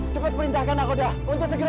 saya berada di pulau itu